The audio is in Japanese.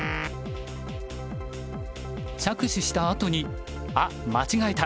着手したあとに「あっ間違えた！」